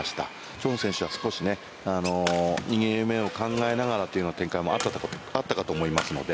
チョン選手は少し２ゲーム目を考えながらっていう展開もあったかと思いますので。